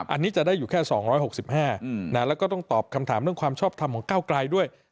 อันนี้จะได้อยู่แค่๒๖๕แล้วก็ต้องตอบคำถามเรื่องความชอบทำของก้าวไกลด้วย